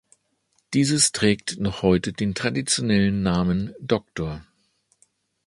Dieses trägt noch heute den traditionellen Namen „Dr.